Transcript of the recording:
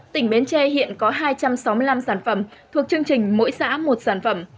tỉnh bến tre hiện có hai trăm sáu mươi năm sản phẩm thuộc chương trình mỗi xã một sản phẩm